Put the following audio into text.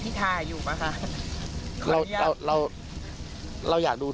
พิทาอยู่เมื่อการขอบคุณพระไทยประโยชน์